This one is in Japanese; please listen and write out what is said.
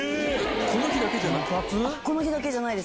この日だけじゃなくて？